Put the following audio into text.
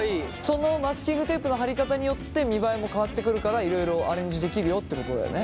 そのマスキングテープの貼り方によって見栄えも変わってくるからいろいろアレンジできるよってことだよね。